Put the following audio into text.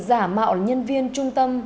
giả mạo nhân viên trung tâm